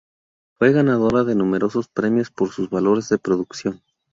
Fue ganadora de numerosos premios, por sus valores de producción.